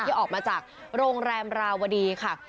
ออกมาจากโรงแรมราวดีค่ะ